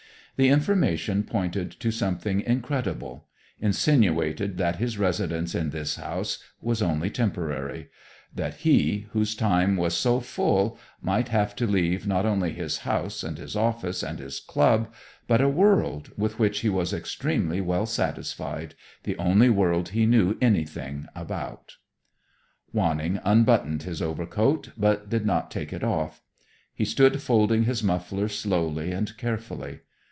The information pointed to something incredible; insinuated that his residence in this house was only temporary; that he, whose time was so full, might have to leave not only his house and his office and his club, but a world with which he was extremely well satisfied the only world he knew anything about. Wanning unbuttoned his overcoat, but did not take it off. He stood folding his muffler slowly and carefully.